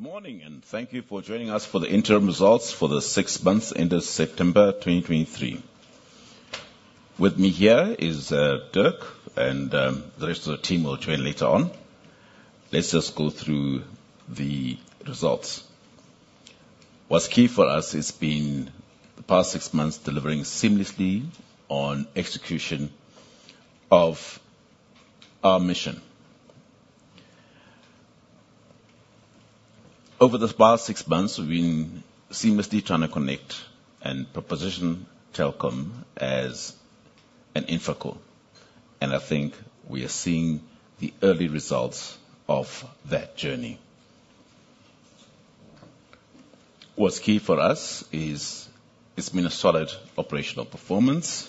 Good morning, and thank you for joining us for the Interim Results for the six months ended September 2023. With me here is Dirk, and the rest of the team will join later on. Let's just go through the results. What's key for us has been the past six months delivering seamlessly on execution of our mission. Over this past six months, we've been seamlessly trying to connect and position Telkom as an Infraco, and I think we are seeing the early results of that journey. What's key for us is, it's been a solid operational performance,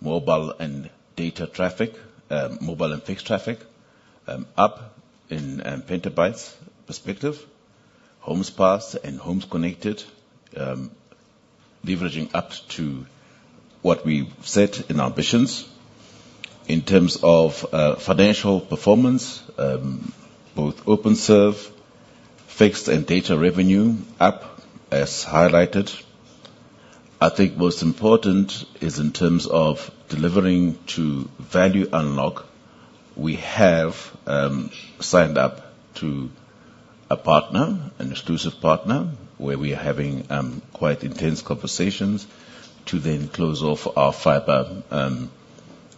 mobile and data traffic, mobile and fixed traffic, up in petabytes perspective. Homes passed and homes connected, leveraging up to what we've set in our visions. In terms of financial performance, both Openserve, fixed and data revenue up as highlighted. I think most important is in terms of delivering to value unlock. We have signed up to a partner, an exclusive partner, where we are having quite intense conversations to then close off our fiber,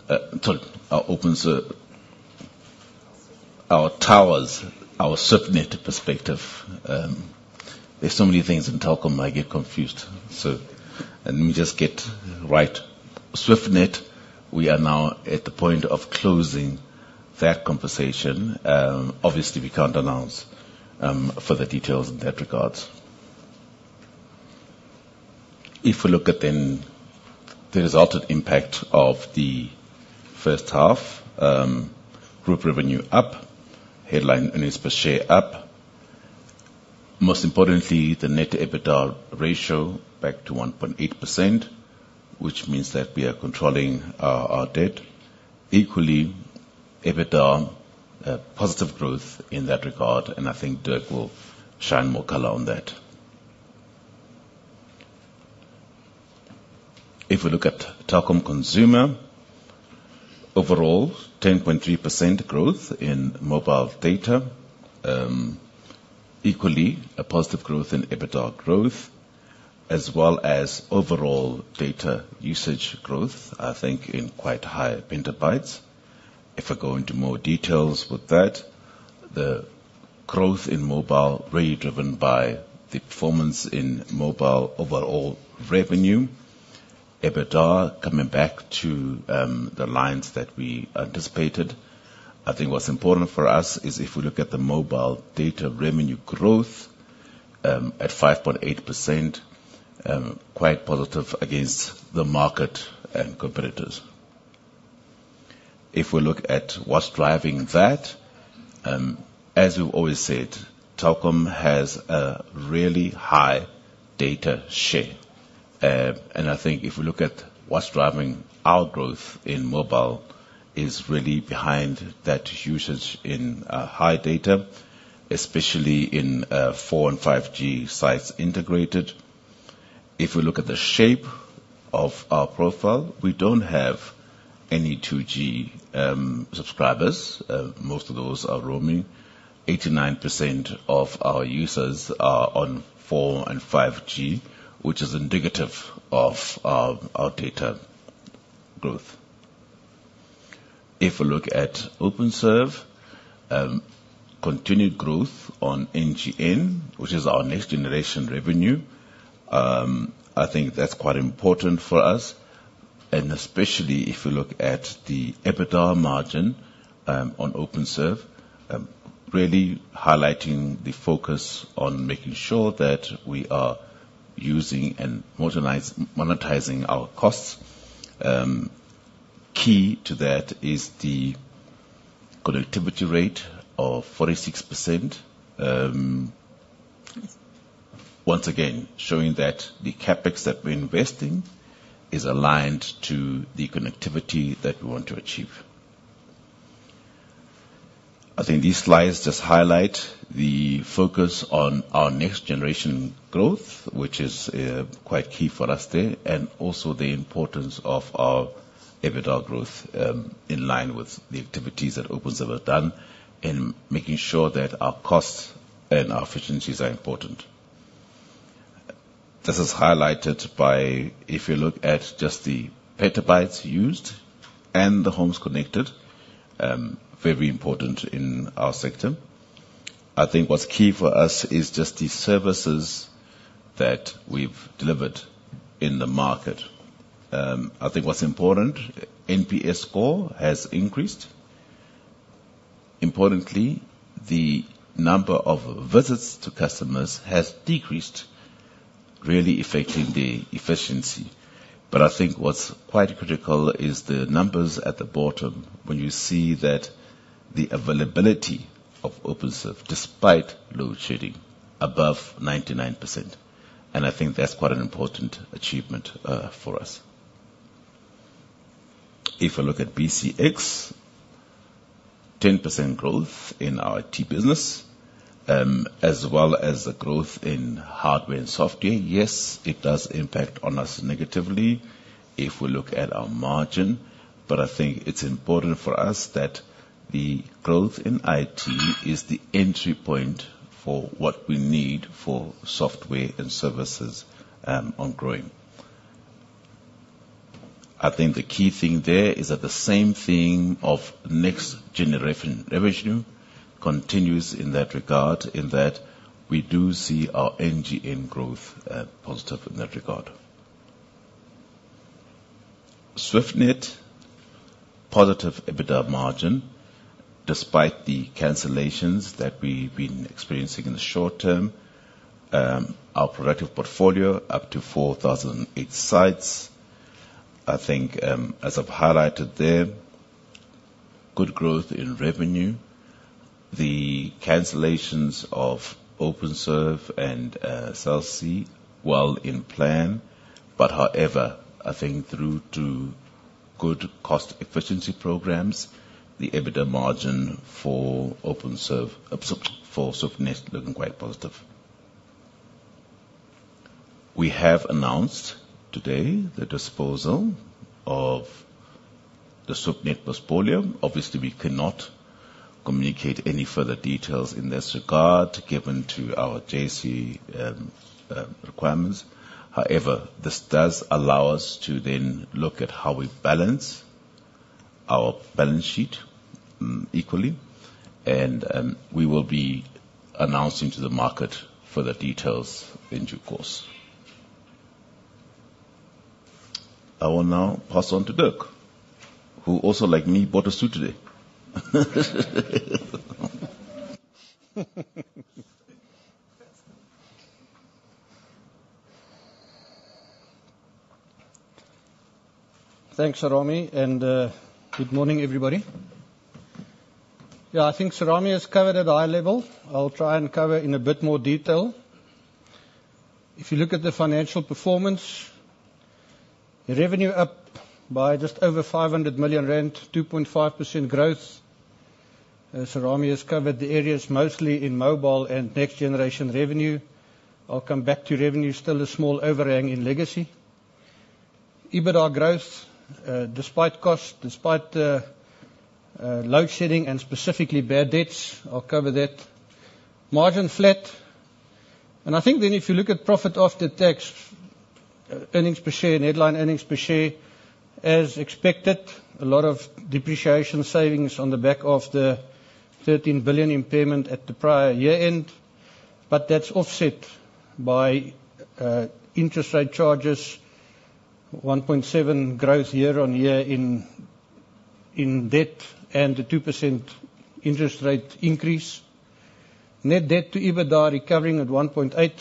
sorry, our Openserve—our towers, our Swiftnet perspective. There's so many things in Telkom, I get confused, so, let me just get right. Swiftnet, we are now at the point of closing that conversation. Obviously, we can't announce further details in that regards. If we look at then the resultant impact of the first half, group revenue up, headline earnings per share up. Most importantly, the net EBITDA ratio back to 1.8%, which means that we are controlling our, our debt. Equally, EBITDA, positive growth in that regard, and I think Dirk will shine more color on that. If we look at Telkom consumer, overall, 10.3% growth in mobile data. Equally, a positive growth in EBITDA growth, as well as overall data usage growth, I think in quite high petabytes. If I go into more details with that, the growth in mobile, really driven by the performance in mobile overall revenue. EBITDA, coming back to, the lines that we anticipated. I think what's important for us is if we look at the mobile data revenue growth, at 5.8%, quite positive against the market and competitors. If we look at what's driving that, as we've always said, Telkom has a really high data share. And I think if we look at what's driving our growth in mobile is really behind that usage in, high data, especially in, 4G and 5G sites integrated. If we look at the shape of our profile, we don't have any 2G subscribers. Most of those are roaming. 89% of our users are on 4G and 5G, which is indicative of our data growth. If we look at Openserve, continued growth on NGN, which is our next generation revenue, I think that's quite important for us, and especially if you look at the EBITDA margin on Openserve, really highlighting the focus on making sure that we are using and monetizing our costs. Key to that is the connectivity rate of 46%. Once again, showing that the CapEx that we're investing is aligned to the connectivity that we want to achieve. I think these slides just highlight the focus on our next generation growth, which is quite key for us there, and also the importance of our EBITDA growth, in line with the activities that Openserve has done, and making sure that our costs and our efficiencies are important. This is highlighted by, if you look at just the petabytes used and the homes connected, very important in our sector. I think what's key for us is just the services that we've delivered in the market. I think what's important, NPS score has increased. Importantly, the number of visits to customers has decreased, really affecting the efficiency. But I think what's quite critical is the numbers at the bottom, when you see that the availability of Openserve, despite load shedding, above 99%, and I think that's quite an important achievement, for us. If you look at BCX, 10% growth in our IT business, as well as the growth in hardware and software. Yes, it does impact on us negatively if we look at our margin, but I think it's important for us that the growth in IT is the entry point for what we need for software and services, on growing. I think the key thing there is that the same thing of next generation revenue continues in that regard, in that we do see our NGN growth, positive in that regard. SwiftNet, positive EBITDA margin, despite the cancellations that we've been experiencing in the short term. Our productive portfolio, up to 4,008 sites. I think, as I've highlighted there, good growth in revenue. The cancellations of Openserve and, Cell C, while in plan, but however, I think through to good cost efficiency programs, the EBITDA margin for Openserve, for Swiftnet, looking quite positive. We have announced today the disposal of the Swiftnet portfolio. Obviously, we cannot communicate any further details in this regard, given to our JSE requirements. However, this does allow us to then look at how we balance our balance sheet, equally, and, we will be announcing to the market further details in due course. I will now pass on to Dirk, who also, like me, bought a suit today. Thanks, Serame, and good morning, everybody. Yeah, I think Serame has covered at a high level. I'll try and cover in a bit more detail. If you look at the financial performance, the revenue up by just over 500 million rand, 2.5% growth. As Serame has covered the areas, mostly in mobile and next generation revenue. I'll come back to revenue, still a small overhang in legacy. EBITDA growth, despite cost, despite load shedding and specifically bad debts, I'll cover that. Margin flat. I think then if you look at profit after tax, earnings per share and headline earnings per share, as expected, a lot of depreciation savings on the back of the 13 billion impairment at the prior year-end, but that's offset by, interest rate charges, 1.7 growth year-on-year in debt, and a 2% interest rate increase. Net debt to EBITDA recovering at 1.8.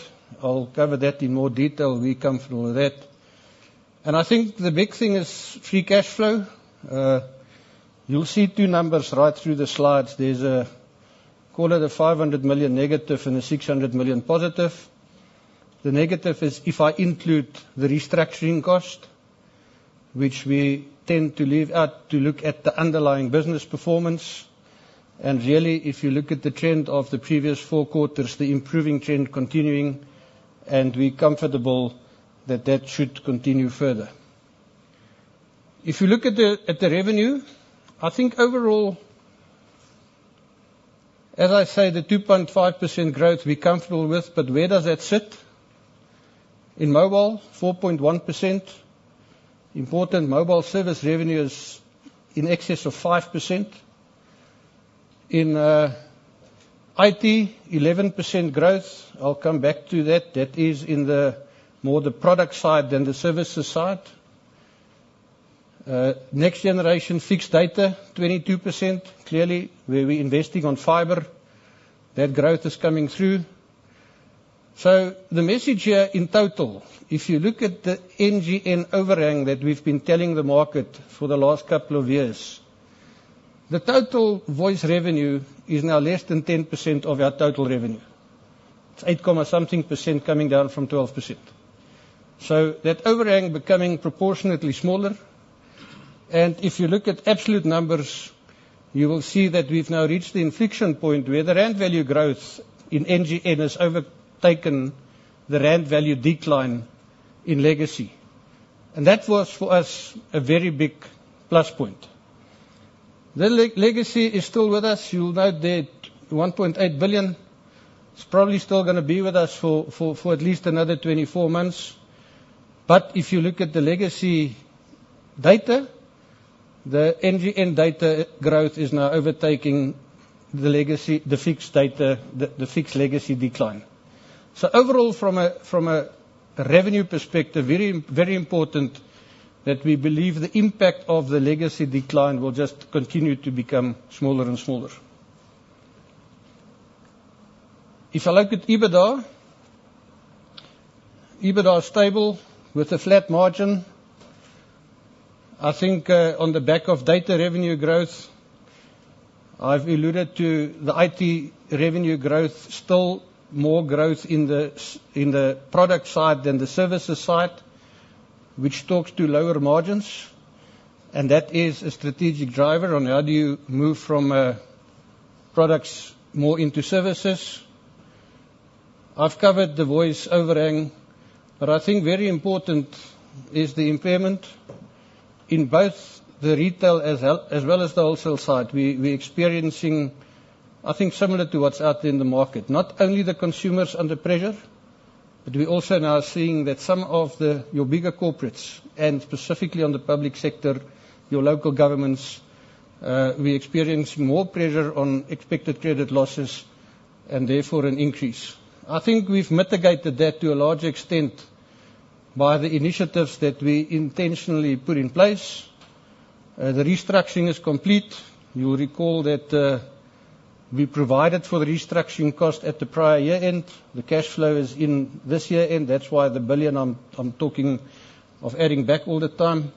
I'll cover that in more detail, we're comfortable with that. And I think the big thing is free cash flow. You'll see two numbers right through the slides. There's a, call it a 500 million negative and a 600 million positive. The negative is if I include the restructuring cost, which we tend to leave out, to look at the underlying business performance. And really, if you look at the trend of the previous four quarters, the improving trend continuing, and we're comfortable that that should continue further. If you look at the revenue, I think overall, as I say, the 2.5% growth we're comfortable with, but where does that sit? In mobile, 4.1%. Important mobile service revenue is in excess of 5%. In IT, 11% growth. I'll come back to that. That is in the more the product side than the services side. Next generation fixed data, 22%. Clearly, where we're investing on fiber, that growth is coming through. So the message here in total, if you look at the NGN overhang that we've been telling the market for the last couple of years, the total voice revenue is now less than 10% of our total revenue. It's 8-something% coming down from 12%. So that overhang becoming proportionately smaller, and if you look at absolute numbers, you will see that we've now reached the inflection point where the rand value growth in NGN has overtaken the rand value decline in legacy. And that was, for us, a very big plus point. The legacy is still with us. You'll note that 1.8 billion is probably still gonna be with us for at least another 24 months. But if you look at the legacy data, the NGN data growth is now overtaking the legacy, the fixed data, the fixed legacy decline. So overall, from a revenue perspective, very, very important that we believe the impact of the legacy decline will just continue to become smaller and smaller. If I look at EBITDA, EBITDA is stable with a flat margin. I think, on the back of data revenue growth. I've alluded to the IT revenue growth, still more growth in the product side than the services side, which talks to lower margins, and that is a strategic driver on how do you move from, products more into services. I've covered the voice overhang, but I think very important is the impairment in both the retail as well, as well as the wholesale side. We experiencing, I think, similar to what's out there in the market, not only the consumers under pressure, but we're also now seeing that some of the, your bigger corporates, and specifically on the public sector, your local governments, we experience more pressure on expected credit losses and therefore an increase. I think we've mitigated that to a large extent by the initiatives that we intentionally put in place. The restructuring is complete. You'll recall that, we provided for the restructuring cost at the prior year end. The cash flow is in this year end. That's why the 1 billion, I'm talking of adding back all the time.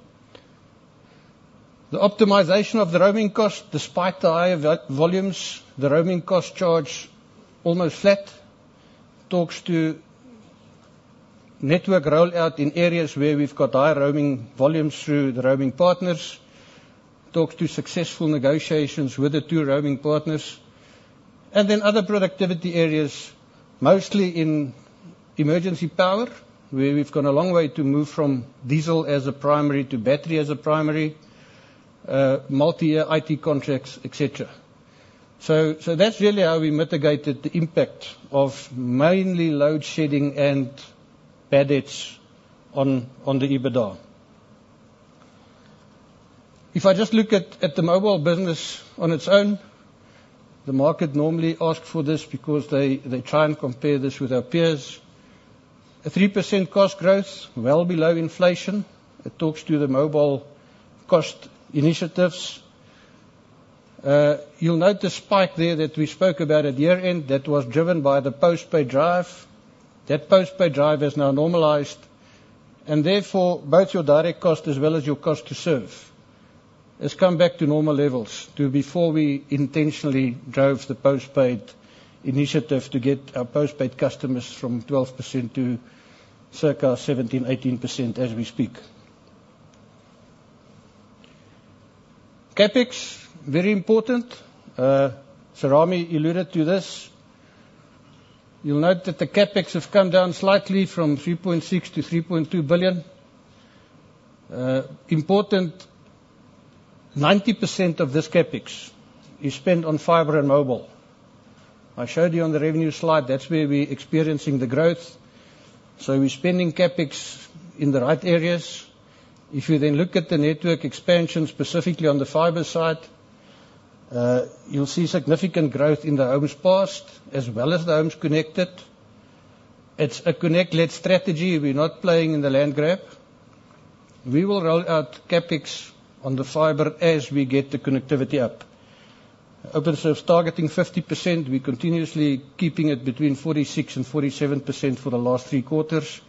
The optimization of the roaming cost, despite the high volumes, the roaming cost charge almost flat, talks to network rollout in areas where we've got high roaming volumes through the roaming partners, talks to successful negotiations with the two roaming partners. And then other productivity areas, mostly in emergency power, where we've gone a long way to move from diesel as a primary to battery as a primary, multi-year IT contracts, et cetera. So that's really how we mitigated the impact of mainly load shedding and bad debts on the EBITDA. If I just look at the mobile business on its own, the market normally ask for this because they try and compare this with their peers. A 3% cost growth, well below inflation. It talks to the mobile cost initiatives. You'll note the spike there that we spoke about at year-end, that was driven by the post-pay drive. That post-pay drive is now normalized, and therefore, both your direct cost as well as your cost to serve, has come back to normal levels to before we intentionally drove the post-paid initiative to get our post-paid customers from 12% to circa 17-18% as we speak. CapEx, very important. So Rami alluded to this. You'll note that the CapEx have come down slightly from 3.6 billion to 3.2 billion. Important, 90% of this CapEx is spent on fiber and mobile. I showed you on the revenue slide, that's where we're experiencing the growth, so we're spending CapEx in the right areas. If you then look at the network expansion, specifically on the fiber side, you'll see significant growth in the homes passed, as well as the homes connected. It's a connect-led strategy. We're not playing in the land grab. We will roll out CapEx on the fiber as we get the connectivity up. Openserve's targeting 50%. We're continuously keeping it between 46% and 47% for the last three quarters.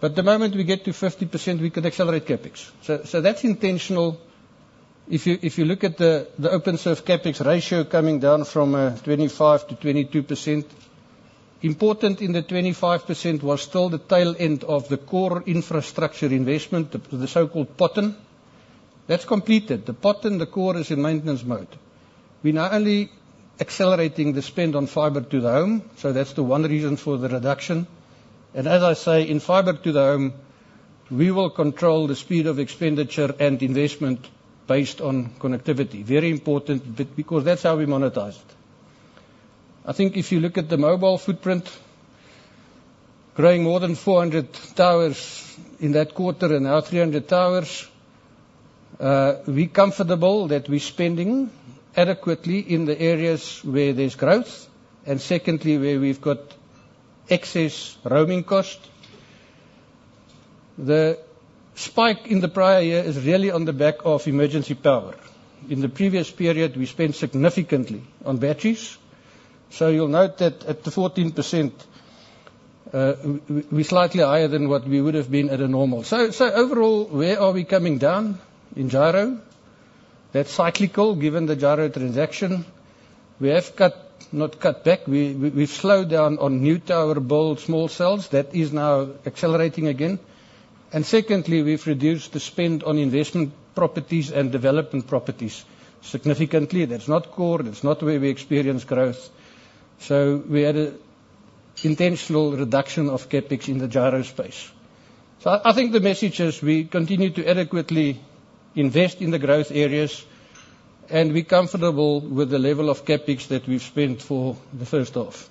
But the moment we get to 50%, we can accelerate CapEx. So, so that's intentional. If you look at the Openserve CapEx ratio coming down from 25%-22%, important, in the 25% was still the tail end of the core infrastructure investment, the so-called Potin. That's completed. The Potin, the core, is in maintenance mode. We're now only accelerating the spend on fiber to the home, so that's the one reason for the reduction. And as I say, in fiber to the home, we will control the speed of expenditure and investment based on connectivity. Very important, because that's how we monetize it. I think if you look at the mobile footprint, growing more than 400 towers in that quarter and now 300 towers, we comfortable that we're spending adequately in the areas where there's growth, and secondly, where we've got excess roaming cost. The spike in the prior year is really on the back of emergency power. In the previous period, we spent significantly on batteries, so you'll note that at the 14%, we're slightly higher than what we would have been at a normal. So, so overall, where are we coming down in Gyro? That's cyclical, given the Gyro transaction. We have cut, not cut back, we've slowed down on new tower build, small cells, that is now accelerating again. And secondly, we've reduced the spend on investment properties and development properties significantly. That's not core, that's not where we experience growth. So we had an intentional reduction of CapEx in the Gyro space. So I think the message is, we continue to adequately invest in the growth areas, and we're comfortable with the level of CapEx that we've spent for the first half.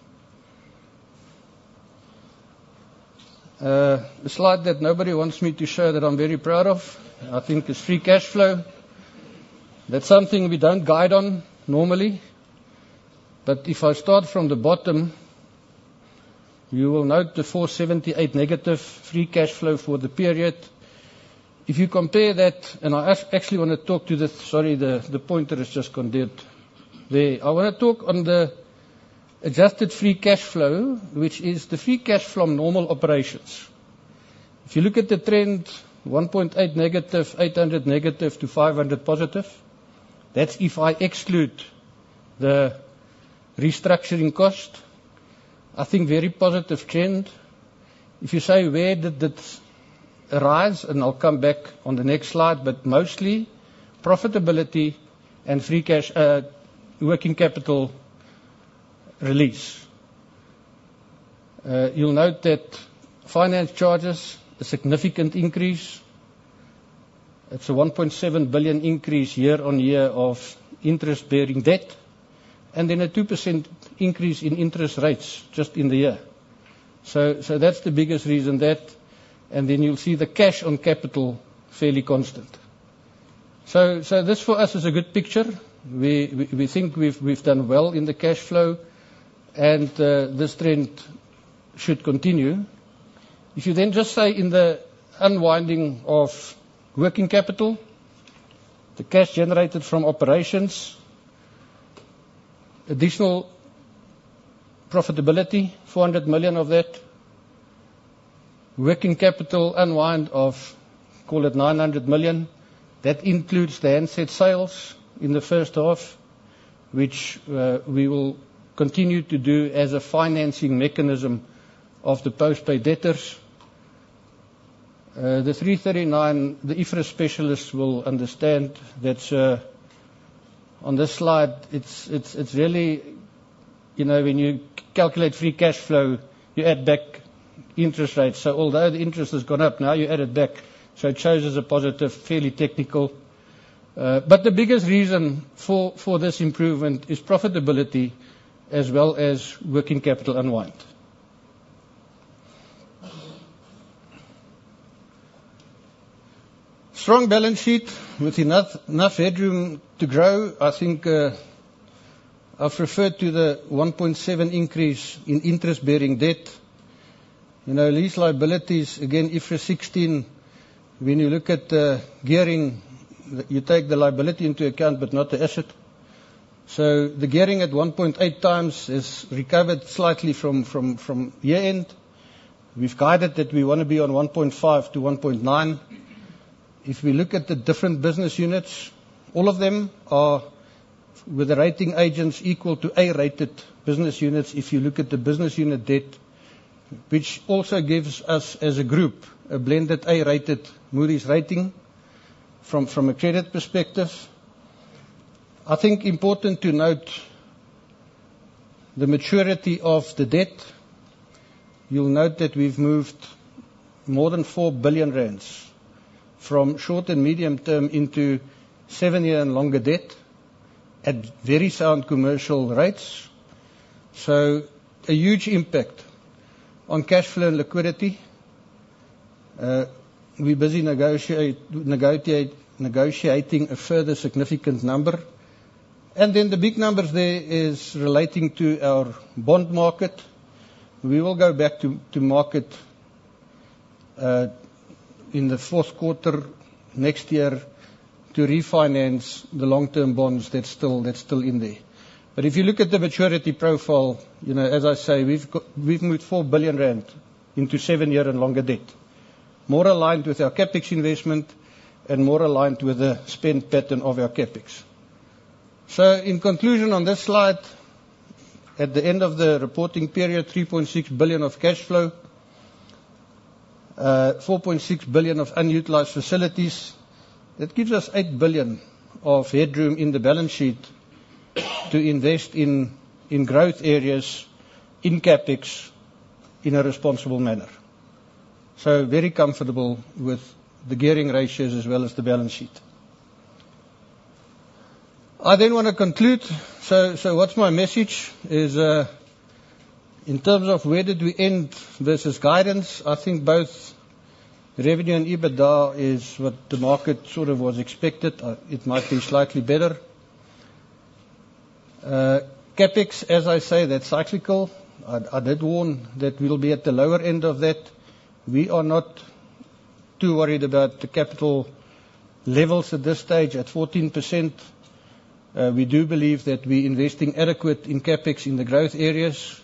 The slide that nobody wants me to show, that I'm very proud of, I think, is free cash flow. That's something we don't guide on normally, but if I start from the bottom, you will note the -478 free cash flow for the period. If you compare that, and I actually want to talk to the... Sorry, the pointer has just gone dead. There. I want to talk on the adjusted free cash flow, which is the free cash from normal operations.... If you look at the trend, -1.8, -800 to 500, that's if I exclude the restructuring cost. I think very positive trend. If you say, where did it arise? And I'll come back on the next slide, but mostly profitability and free cash, working capital release. You'll note that finance charges, a significant increase. It's a 1.7 billion increase year-on-year of interest-bearing debt, and then a 2% increase in interest rates just in the year. So that's the biggest reason, that, and then you'll see the cash on CapEx fairly constant. So this, for us, is a good picture. We think we've done well in the cash flow, and this trend should continue. If you then just say, in the unwinding of working capital, the cash generated from operations, additional profitability, 400 million of that. Working capital unwind of, call it 900 million. That includes the handset sales in the first half, which we will continue to do as a financing mechanism of the post-pay debtors. The 339, the IFRS specialists will understand that, on this slide, it's really... You know, when you calculate free cash flow, you add back interest rates. So although the interest has gone up, now you add it back, so it shows as a positive, fairly technical. But the biggest reason for this improvement is profitability as well as working capital unwind. Strong balance sheet with enough headroom to grow. I think, I've referred to the 1.7 increase in interest-bearing debt. You know, lease liabilities, again, IFRS 16, when you look at the gearing, you take the liability into account, but not the asset. So the gearing at 1.8 times has recovered slightly from year-end. We've guided that we want to be on 1.5-1.9. If we look at the different business units, all of them are with the rating agents equal to A-rated business units. If you look at the business unit debt, which also gives us, as a group, a blended A-rated Moody's rating from a credit perspective. I think important to note the maturity of the debt. You'll note that we've moved more than 4 billion rand from short- and medium-term into 7-year and longer debt at very sound commercial rates, so a huge impact on cash flow and liquidity. We're busy negotiating a further significant number. And then, the big numbers there is relating to our bond market. We will go back to market in the fourth quarter next year to refinance the long-term bonds that's still in there. But if you look at the maturity profile, you know, as I say, we've moved 4 billion rand into 7-year and longer debt, more aligned with our CapEx investment and more aligned with the spend pattern of our CapEx. So in conclusion, on this slide, at the end of the reporting period, 3.6 billion of cash flow, four point six billion of unutilized facilities, that gives us 8 billion of headroom in the balance sheet to invest in growth areas, in CapEx, in a responsible manner. So very comfortable with the gearing ratios as well as the balance sheet. I then want to conclude. So what's my message? Is, in terms of where did we end versus guidance, I think both revenue and EBITDA is what the market sort of was expected. It might be slightly better. CapEx, as I say, that's cyclical. I did warn that we'll be at the lower end of that. We are not too worried about the capital levels at this stage, at 14%. We do believe that we're investing adequate in CapEx in the growth areas.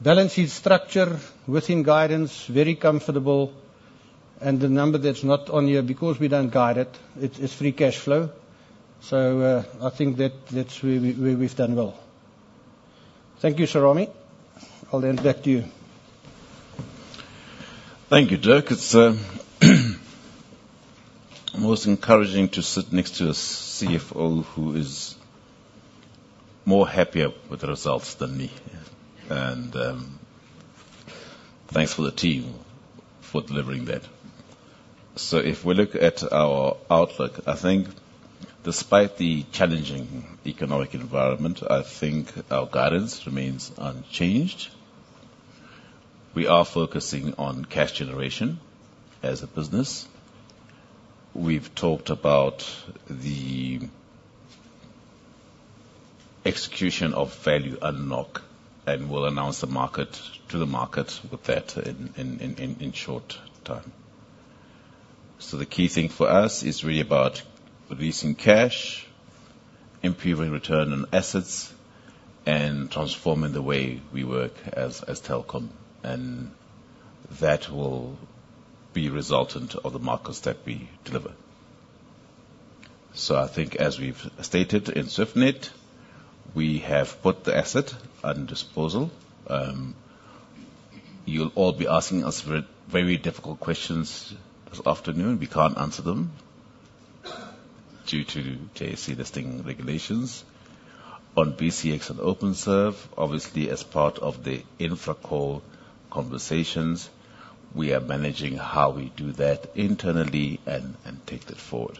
Balance sheet structure within guidance, very comfortable, and the number that's not on here, because we don't guide it, it's free cash flow. So, I think that that's where we've done well. Thank you, Serame. I'll hand back to you. Thank you, Dirk. It's most encouraging to sit next to a CFO who is more happier with the results than me. And thanks for the team for delivering that. So if we look at our outlook, I think despite the challenging economic environment, I think our guidance remains unchanged. We are focusing on cash generation as a business. We've talked about the execution of value unlock, and we'll announce to the market with that in short time. So the key thing for us is really about releasing cash, improving return on assets, and transforming the way we work as Telkom. And that will be resultant of the markers that we deliver. So I think as we've stated in SwiftNet, we have put the asset on disposal. You'll all be asking us very, very difficult questions this afternoon. We can't answer them due to JSE listing regulations. On BCX and Openserve, obviously, as part of the InfraCo conversations, we are managing how we do that internally and take that forward.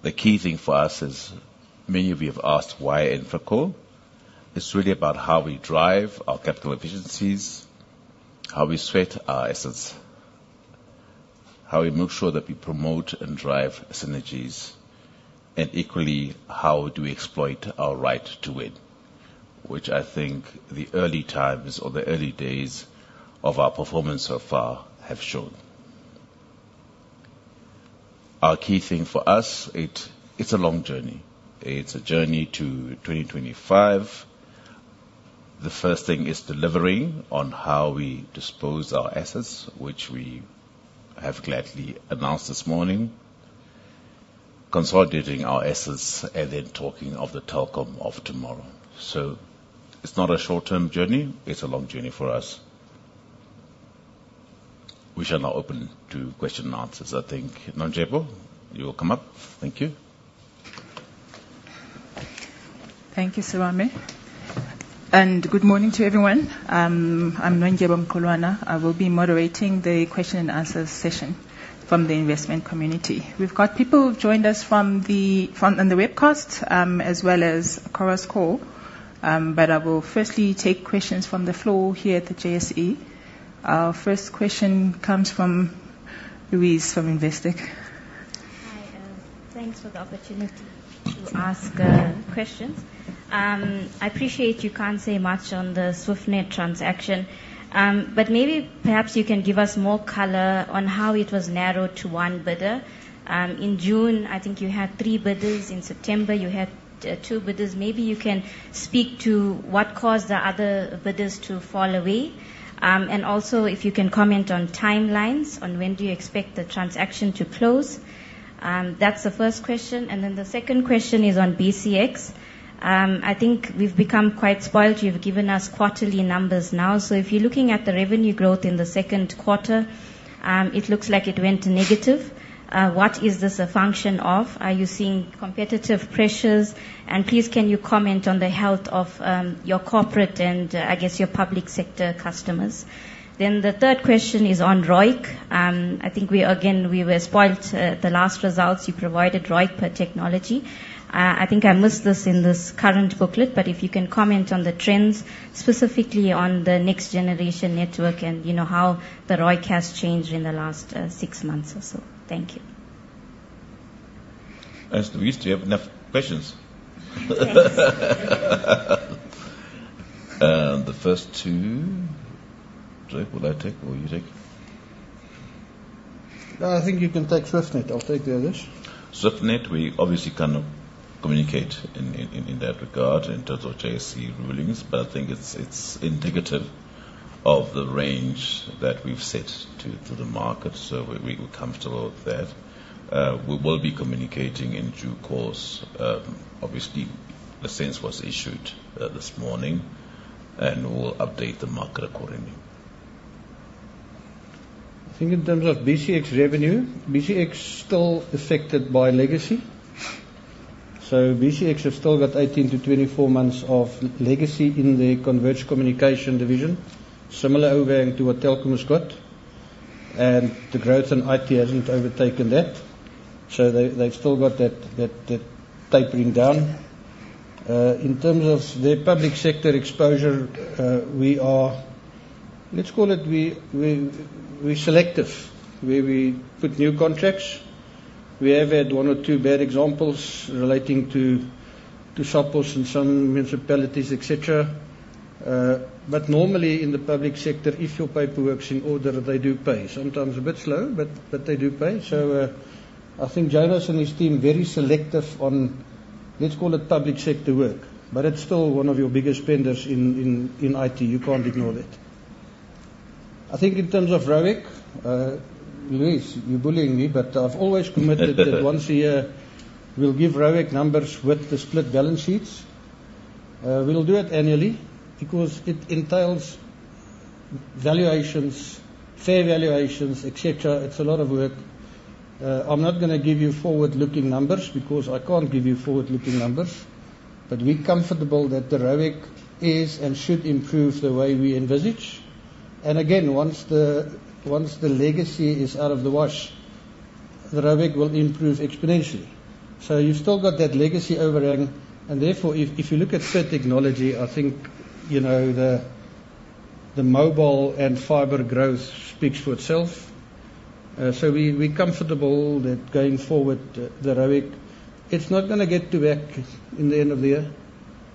The key thing for us is, many of you have asked, why InfraCo? It's really about how we drive our capital efficiencies, how we sweat our assets, how we make sure that we promote and drive synergies, and equally, how do we exploit our right to win, which I think the early times or the early days of our performance so far have shown. Our key thing for us, it's a long journey. It's a journey to 2025. The first thing is delivering on how we dispose our assets, which we have gladly announced this morning, consolidating our assets, and then talking of the Telkom of tomorrow. It's not a short-term journey, it's a long journey for us. We shall now open to question and answers. I think, Nondyebo, you will come up. Thank you. Thank you, Serame, and good morning to everyone. I'm Nondyebo Mqulwana. I will be moderating the question and answer session from the investment community. We've got people who've joined us from the webcast, as well as Chorus Call. But I will firstly take questions from the floor here at the JSE. Our first question comes from Louise, from Investec. Hi, thanks for the opportunity to ask questions. I appreciate you can't say much on the Swiftnet transaction, but maybe perhaps you can give us more color on how it was narrowed to one bidder. In June, I think you had three bidders, in September you had two bidders. Maybe you can speak to what caused the other bidders to fall away. And also, if you can comment on timelines, on when do you expect the transaction to close? That's the first question, and then the second question is on BCX. I think we've become quite spoiled. You've given us quarterly numbers now. So if you're looking at the revenue growth in the second quarter, it looks like it went negative. What is this a function of? Are you seeing competitive pressures? And please, can you comment on the health of your corporate and, I guess, your public sector customers? Then the third question is on ROIC. I think we again, we were spoiled. The last results you provided, ROIC per technology. I think I missed this in this current booklet, but if you can comment on the trends, specifically on the next generation network, and you know, how the ROIC has changed in the last six months or so. Thank you. Thanks, Louise. Do you have enough questions? Yes. The first two, Drake, will I take or will you take? I think you can take Swiftnet. I'll take the others. Swiftnet, we obviously cannot communicate in that regard in terms of JSE rulings, but I think it's indicative of the range that we've set to the market, so we were comfortable with that. We will be communicating in due course. Obviously, a SENS was issued this morning, and we'll update the market accordingly. I think in terms of BCX revenue, BCX still affected by legacy. BCX have still got 18-24 months of legacy in the converged communication division, similar overhang to what Telkom has got, and the growth in IT hasn't overtaken that. They, they've still got that, that, that tapering down. In terms of their public sector exposure, we are... Let's call it we, we, we're selective, where we put new contracts. We have had one or two bad examples relating to, to supports and some municipalities, et cetera. Normally in the public sector, if your paperwork's in order, they do pay. Sometimes a bit slow, but they do pay. I think Jonas and his team very selective on, let's call it public sector work, but it's still one of your biggest spenders in IT. You can't ignore that. I think in terms of ROIC, Louise, you're bullying me, but I've always committed that once a year, we'll give ROIC numbers with the split balance sheets. We'll do it annually because it entails valuations, fair valuations, et cetera. It's a lot of work. I'm not gonna give you forward-looking numbers because I can't give you forward-looking numbers, but we're comfortable that the ROIC is and should improve the way we envisage. And again, once the legacy is out of the wash, the ROIC will improve exponentially. So you've still got that legacy overhang, and therefore, if you look at third technology, I think, you know, the mobile and fiber growth speaks for itself. So we're comfortable that going forward, the ROIC, it's not gonna get to back in the end of the year...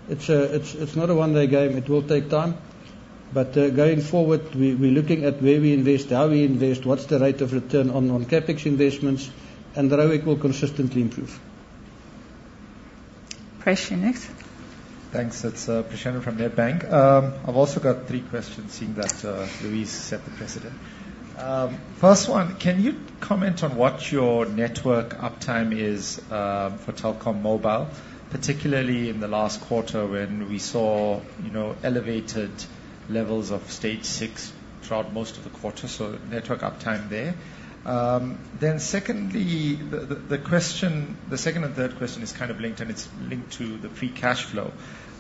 It's not a one-day game, it will take time. But, going forward, we're looking at where we invest, how we invest, what's the rate of return on non-CapEx investments, and the ROIC will consistently improve. Presh, you're next. Thanks. It's Preshen from Nedbank. I've also got three questions, seeing that Louise set the precedent. First one, can you comment on what your network uptime is for Telkom Mobile, particularly in the last quarter when we saw, you know, elevated levels of stage six throughout most of the quarter, so network uptime there? Then secondly, the question, the second and third question is kind of linked, and it's linked to the free cash flow.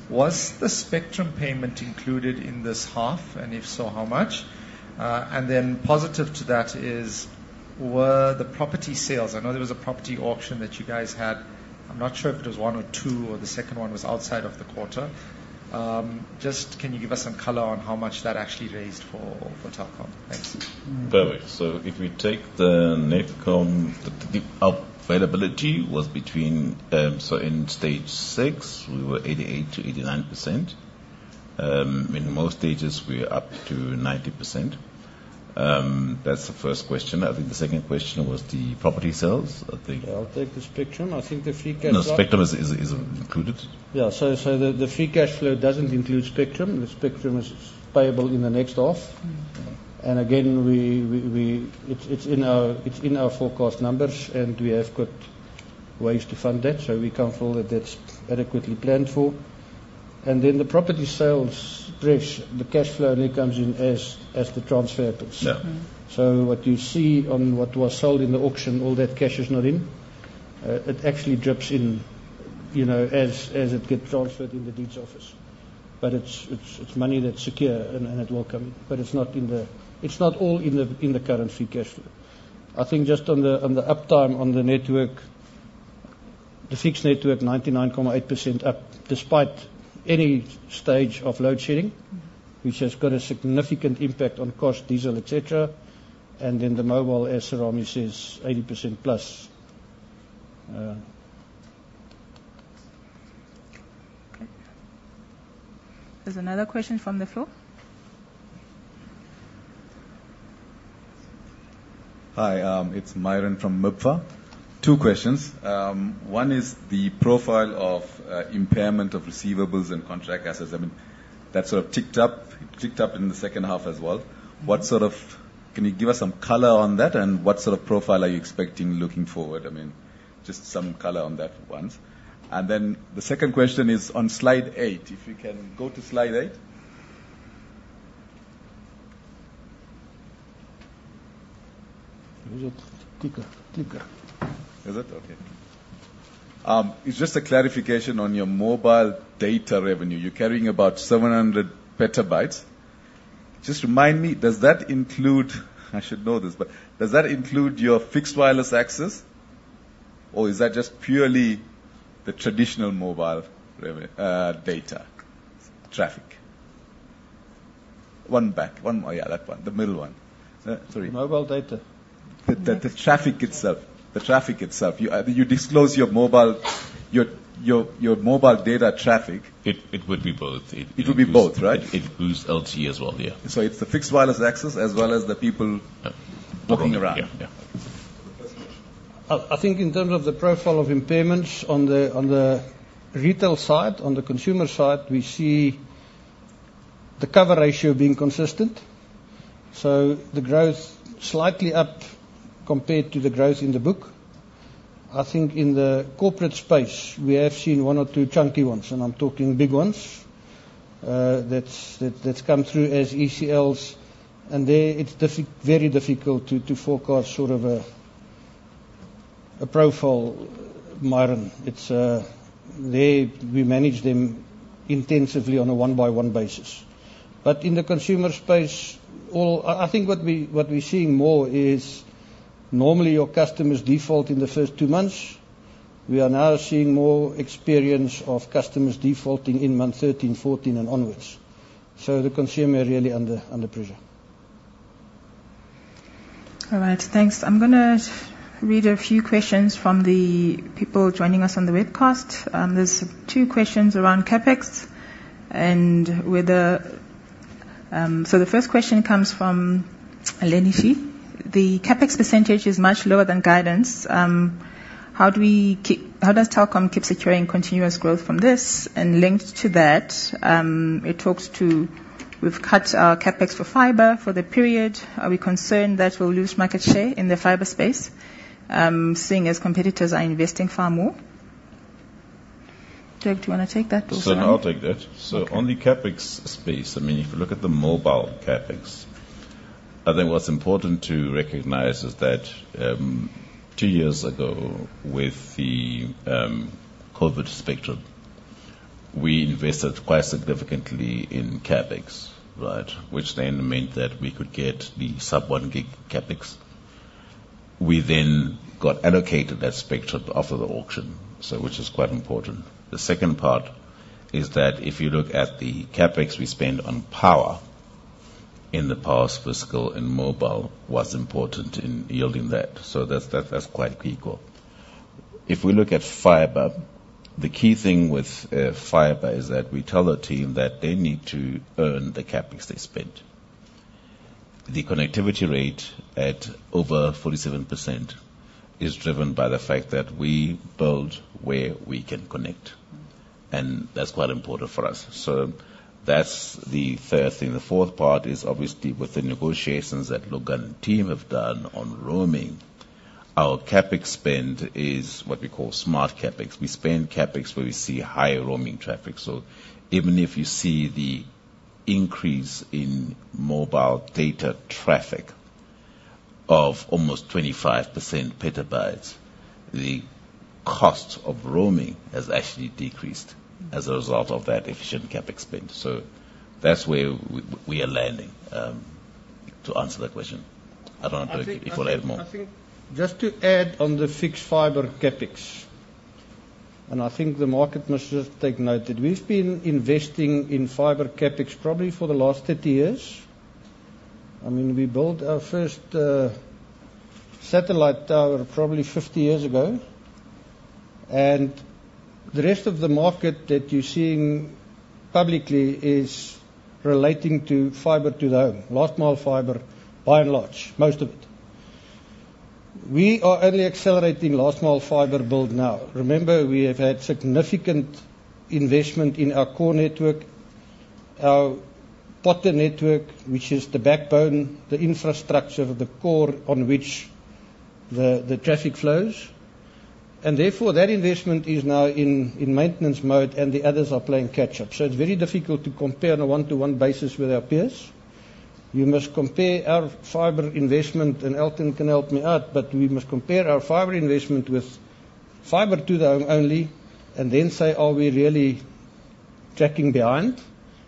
Was the spectrum payment included in this half? And if so, how much? And then positive to that is, were the property sales... I know there was a property auction that you guys had. I'm not sure if it was one or two, or the second one was outside of the quarter. Just, can you give us some color on how much that actually raised for Telkom? Thanks. Perfect. So if we take the Netcom, the availability was between. So in stage six, we were 88%-89%. In most stages, we are up to 90%. That's the first question. I think the second question was the property sales, I think. I'll take the spectrum. I think the free cash flow- No, spectrum is included. Yeah, so the free cash flow doesn't include spectrum. The spectrum is payable in the next half. Mm-hmm. And again, we... It's in our forecast numbers, and we have got ways to fund that, so we're comfortable that that's adequately planned for. And then the property sales, Presh, the cash flow only comes in as the transfer happens. Yeah. Mm-hmm. So what you see on what was sold in the auction, all that cash is not in. It actually drips in, you know, as it gets transferred in the deeds office. But it's money that's secure, and it will come. But it's not in the. It's not all in the current free cash flow. I think just on the uptime, on the network, the fixed network, 99.8% up, despite any stage of load shedding. Mm-hmm. -which has got a significant impact on cost, diesel, et cetera. And then the mobile, as Rami says, 80% plus. Okay. There's another question from the floor. Hi, it's Myron from MIBA. Two questions. One is the profile of impairment of receivables and contract assets. I mean, that sort of ticked up, ticked up in the second half as well. Mm-hmm. What sort of... Can you give us some color on that, and what sort of profile are you expecting looking forward? I mean, just some color on that once. And then the second question is on slide eight. If you can go to slide eight. Clicker. Clicker. Is it? Okay. It's just a clarification on your mobile data revenue. You're carrying about 700 petabytes. Just remind me, does that include... I should know this, but does that include your fixed wireless access, or is that just purely the traditional mobile data traffic? One back. One more. Yeah, that one. The middle one. Sorry. Mobile data? The traffic itself. The traffic itself. You disclose your mobile data traffic. It would be both. It would be both, right? It includes LTE as well, yeah. So it's the fixed wireless access as well as the people- Yeah -walking around. Yeah. Yeah. I think in terms of the profile of impairments on the retail side, on the consumer side, we see the cover ratio being consistent, so the growth slightly up compared to the growth in the book. I think in the corporate space, we have seen 1 or 2 chunky ones, and I'm talking big ones, that's come through as ECLs, and they... It's very difficult to forecast sort of a profile, Myron. It's they-- We manage them intensively on a one-by-one basis. But in the consumer space, all... I think what we, what we're seeing more is normally your customers default in the first 2 months. We are now seeing more experience of customers defaulting in month 13, 14, and onwards. So the consumer are really under pressure. All right. Thanks. I'm gonna read a few questions from the people joining us on the webcast. There's two questions around CapEx and whether... So the first question comes from Elenishi: "The CapEx percentage is much lower than guidance. How does Telkom keep securing continuous growth from this? And linked to that, it talks to, we've cut our CapEx for fiber for the period. Are we concerned that we'll lose market share in the fiber space, seeing as competitors are investing far more?" Doug, do you wanna take that also? So I'll take that. Okay. So on the CapEx space, I mean, if you look at the mobile CapEx, I think what's important to recognize is that, two years ago, with the Covid spectrum, we invested quite significantly in CapEx, right? Which then meant that we could get the sub-1 gig CapEx. We then got allocated that spectrum after the auction, so which is quite important. The second part is that if you look at the CapEx we spend on power in the past fiscal and mobile was important in yielding that. So that's quite critical. If we look at fiber, the key thing with fiber is that we tell our team that they need to earn the CapEx they spend. The connectivity rate at over 47% is driven by the fact that we build where we can connect, and that's quite important for us. So that's the third thing. The fourth part is obviously with the negotiations that Logan and team have done on roaming, our CapEx spend is what we call smart CapEx. We spend CapEx where we see higher roaming traffic. So even if you see the increase in mobile data traffic of almost 25% petabytes, the cost of roaming has actually decreased as a result of that efficient CapEx spend. So that's where we are landing to answer that question. I don't know if you want to add more. I think, just to add on the fixed fiber CapEx, and I think the market must just take note, that we've been investing in fiber CapEx probably for the last 30 years. I mean, we built our first satellite tower probably 50 years ago, and the rest of the market that you're seeing publicly is relating to fiber to the home. Last mile fiber, by and large, most of it. We are only accelerating last mile fiber build now. Remember, we have had significant investment in our core network, our Potin network, which is the backbone, the infrastructure, the core on which the traffic flows, and therefore, that investment is now in maintenance mode, and the others are playing catch-up. So it's very difficult to compare on a one-to-one basis with our peers. You must compare our fiber investment, and Elton can help me out, but we must compare our fiber investment with fiber to the home only, and then say, are we really tracking behind?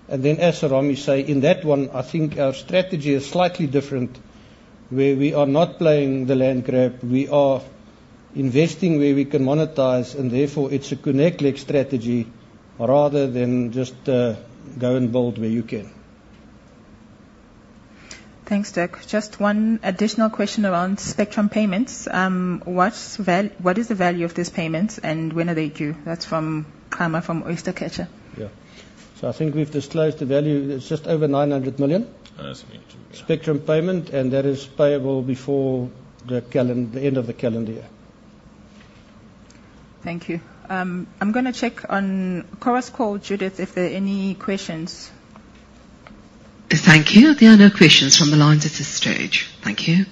And then, as Serame says, in that one, I think our strategy is slightly different, where we are not playing the land grab. We are investing where we can monetize, and therefore, it's a connect leg strategy rather than just go and build where you can. Thanks, Dirk. Just one additional question around spectrum payments. What is the value of these payments, and when are they due? That's from Kramer, from Oystercatcher. Yeah. So I think we've disclosed the value. It's just over 900 million- Uh, yes. spectrum payment, and that is payable before the end of the calendar year. Thank you. I'm gonna check on Chorus Call, Judith, if there are any questions. Thank you. There are no questions from the lines at this stage. Thank you.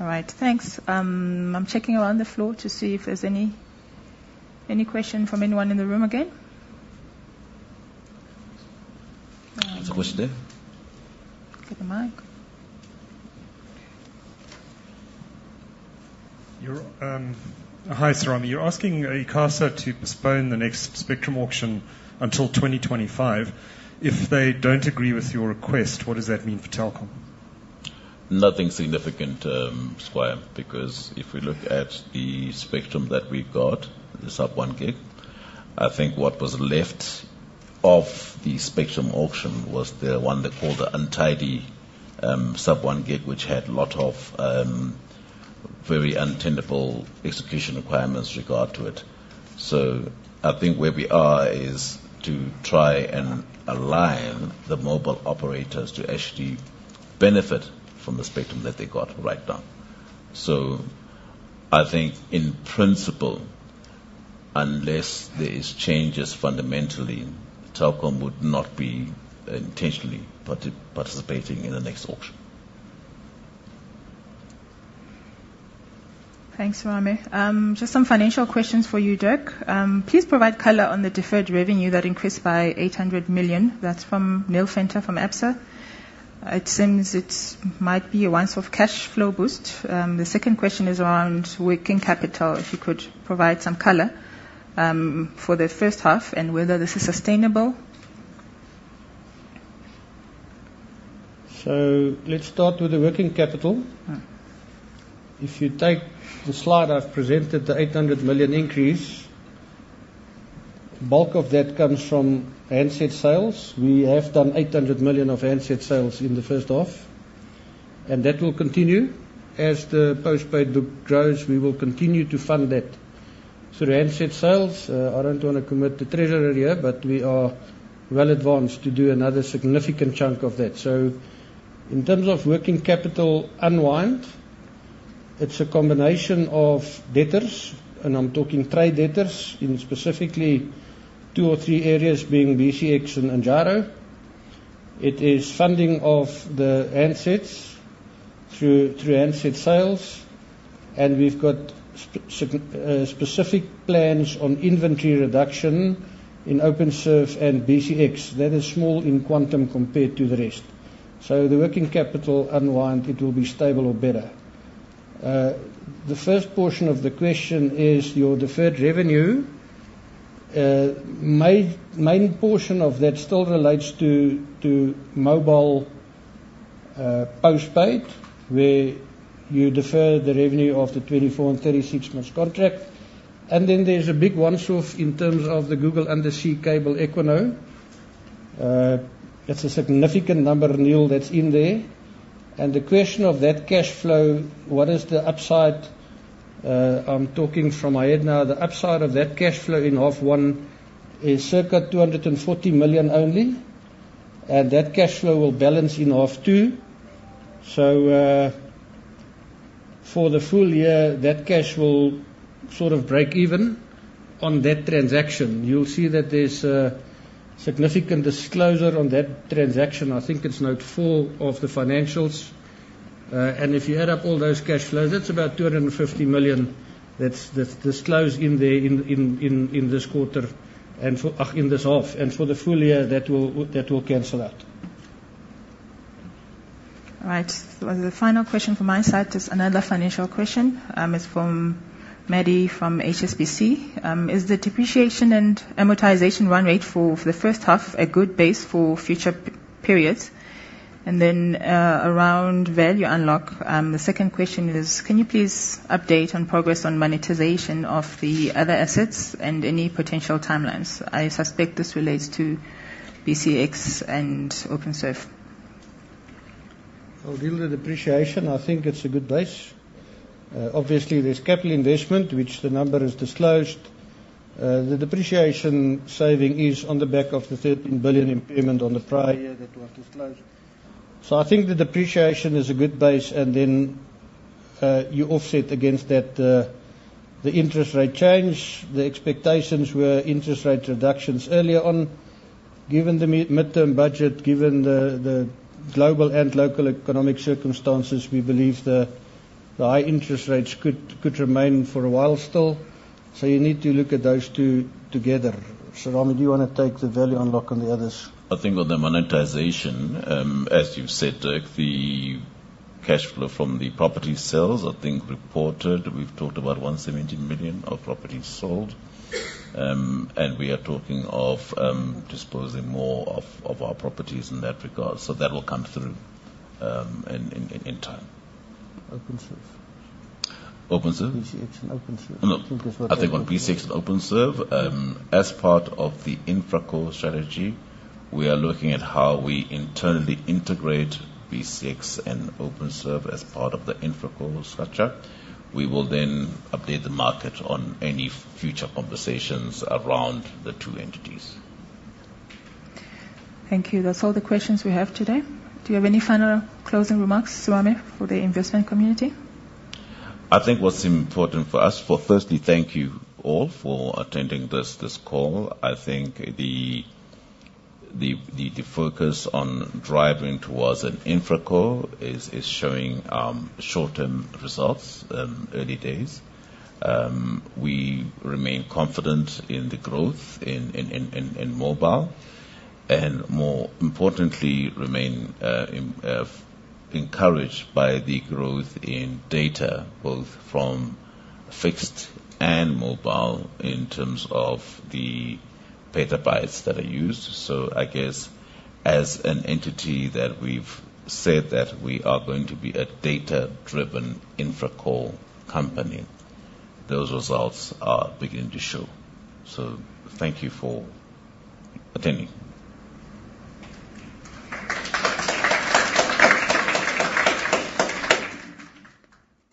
All right, thanks. I'm checking around the floor to see if there's any, any question from anyone in the room again. There's a question there. Get the mic. Hi, Serame. You're asking ICASA to postpone the next spectrum auction until 2025. If they don't agree with your request, what does that mean for Telkom? Nothing significant, Squire, because if we look at the spectrum that we've got, the sub-one gig, I think what was left of the spectrum auction was the one they called the untidy sub-one gig, which had a lot of very untenable execution requirements regard to it. So I think where we are is to try and align the mobile operators to actually benefit from the spectrum that they got right now. So I think in principle, unless there is changes fundamentally, Telkom would not be intentionally participating in the next auction. Thanks, Serame. Just some financial questions for you, Dirk. Please provide color on the deferred revenue that increased by 800 million. That's from Neil Fenter, from Absa. It seems it might be a once-off cash flow boost. The second question is around working capital, if you could provide some color, for the first half and whether this is sustainable. Let's start with the working capital. Mm-hmm. If you take the slide, I've presented the 800 million increase. The bulk of that comes from handset sales. We have done 800 million of handset sales in the first half, and that will continue. As the post-paid book grows, we will continue to fund that. So the handset sales, I don't want to commit to treasury here, but we are well advanced to do another significant chunk of that. So in terms of working capital unwind, it's a combination of debtors, and I'm talking trade debtors, in specifically two or three areas, being BCX and Angaro. It is funding of the handsets through handset sales, and we've got specific plans on inventory reduction in Openserve and BCX. That is small in quantum compared to the rest. So the working capital unwind, it will be stable or better. The first portion of the question is your deferred revenue. Main, main portion of that still relates to mobile, post-paid, where you defer the revenue of the 24- and 36-month contract. And then there's a big one-off in terms of the Google undersea cable Equiano. It's a significant number, Neil, that's in there. And the question of that cash flow, what is the upside? I'm talking from my head now. The upside of that cash flow in half one is circa 240 million only, and that cash flow will balance in half two. So, for the full year, that cash will sort of break even on that transaction. You'll see that there's a significant disclosure on that transaction. I think it's note 4 of the financials. And if you add up all those cash flows, that's about 250 million that's disclosed in this quarter and for this half, and for the full year, that will cancel out. All right. So the final question from my side is another financial question. It's from Maddie from HSBC. Is the depreciation and amortization run rate for the first half a good base for future periods? And then, around value unlock, the second question is, can you please update on progress on monetization of the other assets and any potential timelines? I suspect this relates to BCX and Openserve. Well, with the depreciation, I think it's a good base. Obviously, there's capital investment, which the number is disclosed. The depreciation saving is on the back of the 13 billion impairment on the prior- that we have disclosed. So I think the depreciation is a good base, and then you offset against that the interest rate change. The expectations were interest rate reductions earlier on. Given the midterm budget, given the global and local economic circumstances, we believe the high interest rates could remain for a while still, so you need to look at those two together. Serame, do you want to take the value unlock and the others? I think on the monetization, as you've said, the cash flow from the property sales, I think, reported. We've talked about 170 million of properties sold. And we are talking of disposing more of our properties in that regard. So that will come through, in time. OpenServe. OpenServe? BCX and Openserve. Look, I think on BCX and Openserve, as part of the InfraCo strategy, we are looking at how we internally integrate BCX and Openserve as part of the InfraCo structure. We will then update the market on any future conversations around the two entities. Thank you. That's all the questions we have today. Do you have any final closing remarks, Serame, for the investment community? I think what's important for us. Well, firstly, thank you all for attending this call. I think the focus on driving towards an InfraCo is showing short-term results, early days. We remain confident in the growth in mobile, and more importantly, remain encouraged by the growth in data, both from fixed and mobile, in terms of the petabytes that are used. So I guess, as an entity that we've said that we are going to be a data-driven InfraCo company, those results are beginning to show. So thank you for attending.